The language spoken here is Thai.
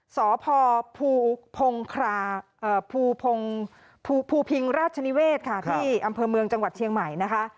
สพภูพิงราชนิเวศค่ะที่อำเภอเมืองจังหวัดเชียงใหม่นะคะ